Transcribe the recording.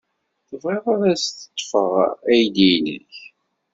Tebɣiḍ ad as-ḍḍfeɣ aydi-nnek?